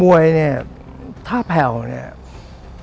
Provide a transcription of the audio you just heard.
มวยเนี่ยถ้าแผ่วเนี่ยถ้าหมดเนี่ย